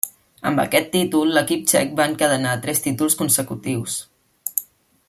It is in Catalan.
Amb aquest títol, l'equip txec va encadenar tres títols consecutius.